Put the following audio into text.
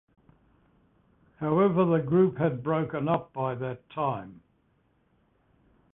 However the group had broken up by that time.